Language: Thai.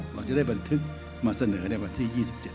เราจะได้บันทึกมาเสนอในวันที่๒๗